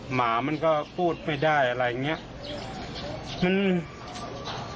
หมามันก็พูดไม่ได้อะไรอย่างเงี้ย